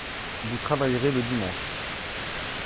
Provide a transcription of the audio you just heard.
Vous travaillerez le dimanche